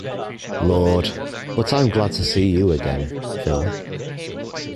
Lord, but I'm glad to see you again, Phil.